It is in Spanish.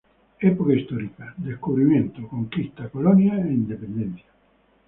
Época histórica:Descubrimiento.Conquista.Colonia.Independencia.